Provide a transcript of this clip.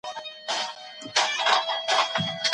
تېر وخت هېر کړئ او مخکې وګورئ.